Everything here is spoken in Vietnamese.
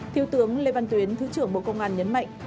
thiếu tướng lê văn tuyến thứ trưởng bộ công an nhấn mạnh